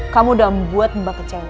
kamu udah membuat mbak kecewa